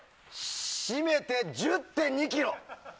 占めて１０．２ｋｇ。